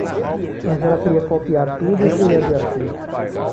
Angela queria copiar tudo o que ele havia feito.